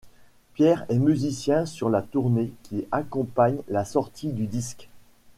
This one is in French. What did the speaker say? Pierre est musicien sur la tournée qui accompagne la sortie du disque.